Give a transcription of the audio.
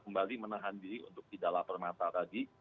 kembali menahan diri untuk tidak lapar mata tadi